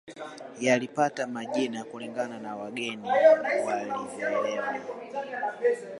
Yalipata majina kulingana na wageni walivyoelewa